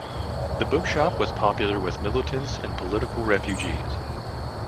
The book shop was popular with militants and political refugees.